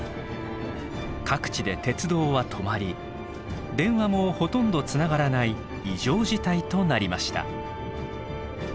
各地で鉄道は止まり電話もほとんどつながらない異常事態となりました。